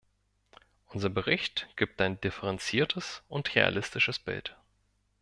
Unser Bericht gibt ein differenziertes und realistisches Bild.